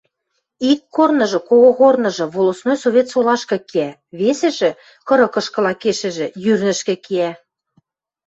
Ик корныжы – когогорныжы, волостной совет солашкы кеӓ, весӹжӹ, кырыкышкыла кешӹжӹ – Йӱрнӹшкӹ кеӓ.